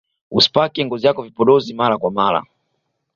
usipake ngozi yako vipodozi mara kwa mara